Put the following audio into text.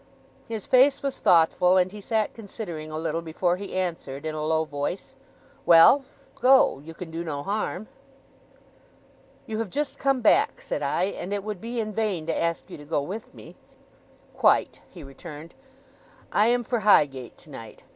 His face was thoughtful, and he sat considering a little before he answered, in a low voice, 'Well! Go. You can do no harm.' 'You have just come back,' said I, 'and it would be in vain to ask you to go with me?' 'Quite,' he returned. 'I am for Highgate tonight.